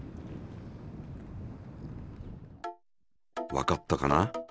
わかったかな？